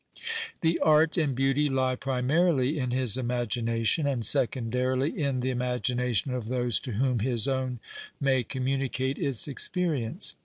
The art and beauty lie primarily in his imagination, and secon darily in the imagination of those to whom his own may commimieate its experience.